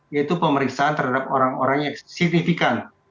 yaitu pemeriksaan terhadap orang orang yang signifikan